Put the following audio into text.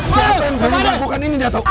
siapa yang bergabung dengan ini dato